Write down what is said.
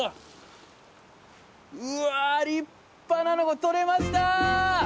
うわ立派なのがとれました！